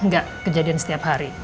gak kejadian setiap hari